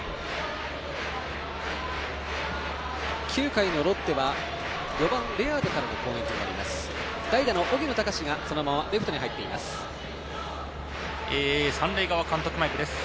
９回のロッテは４番レアードからの攻撃です。